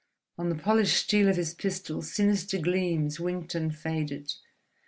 On the polished steel of his pistol sinister gleams winked and faded.